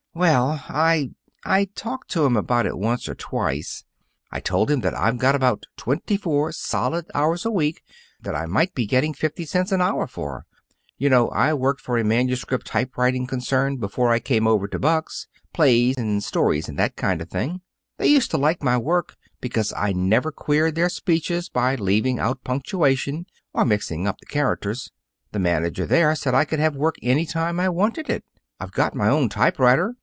"Well, I I talked to him about it once or twice. I told him that I've got about twenty four solid hours a week that I might be getting fifty cents an hour for. You know, I worked for a manuscript typewriting concern before I came over to Buck's plays and stories and that kind of thing. They used to like my work because I never queered their speeches by leaving out punctuation or mixing up the characters. The manager there said I could have work any time I wanted it. I've got my own typewriter.